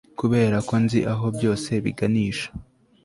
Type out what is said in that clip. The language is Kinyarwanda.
Kuberako nzi aho byose biganisha